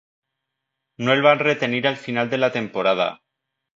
No el van retenir al final de la temporada.